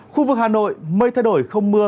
khu vực hà nội mây thay đổi không mưa